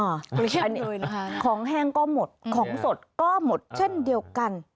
อ่าของแห้งก็หมดของสดก็หมดเช่นเดียวกัน